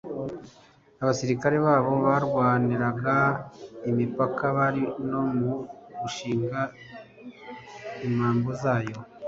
Abasirikari babo barwaniraga imipaka bari no mu gushinga imambo zayo,